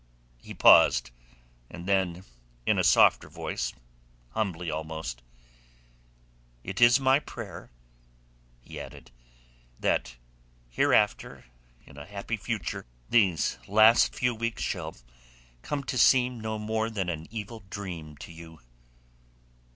He paused, and then in a softer voice, humbly almost, "It is my prayer," he added, "that hereafter in a happy future these last few weeks shall come to seem no more than an evil dream to you."